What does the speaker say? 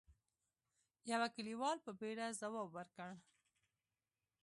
يوه کليوال په بيړه ځواب ورکړ: